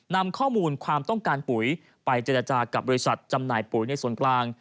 นำข้อมูลความต้องการปุ๋ยไปเจรจากับบริษัทจำหน่ายปุ๋ยในส่วนกลาง